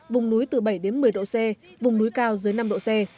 vùng núi từ bảy đến một mươi độ c vùng núi cao dưới năm độ c